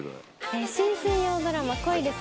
新水曜ドラマ『恋です！